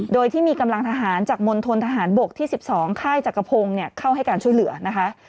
โดยที่มีกำลังทหารจากมณฑนทหารบกที่๑๒ค่ายจักรพงศ์เข้าให้การช่วยเหลือนะคะ